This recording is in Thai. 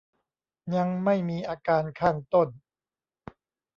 ยังไม่มีอาการข้างต้น